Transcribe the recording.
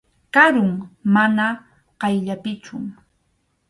Karum, mana qayllapichu.